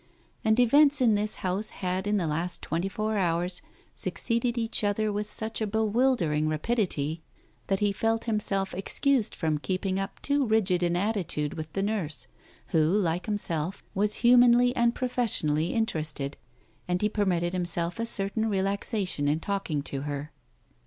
And events in this house had in the last twenty four hours succeeded each other with such a bewildering rapidity that he felt himself excused from keeping up too rigid an attitude with the nurse, who, like himself, was humanly and profession ally interested, and he permitted himself a certain relaxation in talking to her.